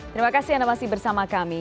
terima kasih anda masih bersama kami